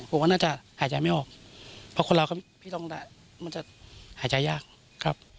ผมว่าน่าจะหายใจไม่ออกเพราะคนเราพี่ต้องมันจะหายใจยากครับ